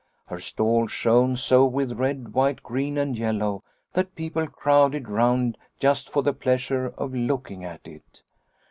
" Her stall shone so with red, white, green and yellow that people crowded round just for the pleasure of looking at it.